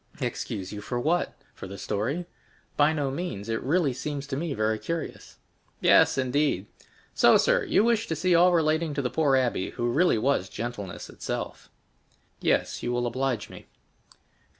"Excuse you for what? For the story? By no means; it really seems to me very curious." "Yes, indeed. So, sir, you wish to see all relating to the poor abbé, who really was gentleness itself." "Yes, you will much oblige me."